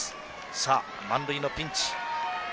さあ、満塁のピンチ。